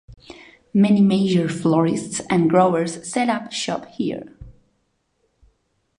Many major florists and growers set up shop here.